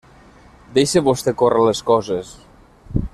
Deixe vostè córrer les coses.